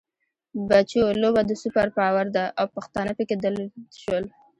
بچو! لوبه د سوپر پاور ده او پښتانه پکې دل شول.